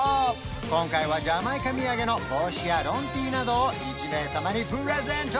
今回はジャマイカ土産の帽子やロンＴなどを１名様にプレゼント！